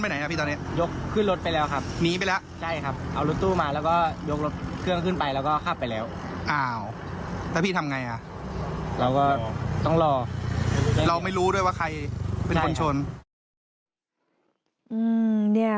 เราไม่รู้ด้วยว่าใครเป็นคนชน